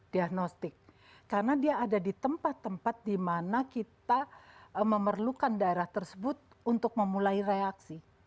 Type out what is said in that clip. diagnostik karena dia ada di tempat tempat di mana kita memerlukan daerah tersebut untuk memulai reaksi